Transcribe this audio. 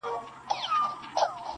خداى پاماني كومه.